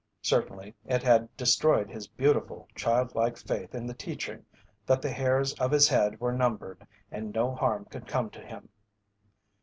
Certainly it had destroyed his beautiful, child like faith in the teaching that the hairs of his head were numbered and no harm could come to him.